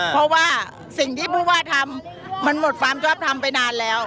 เพราะว่าสิ่งที่ผู้ว่าทำมันหมดความชอบทำไปนานแล้ว